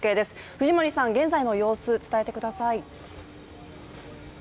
藤森さん、現在の様子伝えてください。